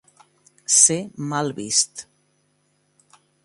Ser mal vist.